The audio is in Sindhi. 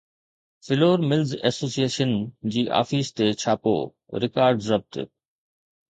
فلور ملز ايسوسيئيشن جي آفيس تي ڇاپو، رڪارڊ ضبط